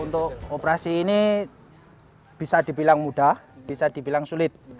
untuk operasi ini bisa dibilang mudah bisa dibilang sulit